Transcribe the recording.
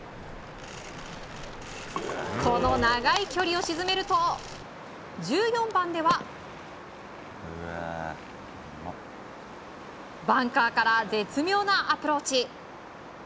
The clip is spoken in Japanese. この長い距離を沈めると１４番では、バンカーから絶妙なアプローチ。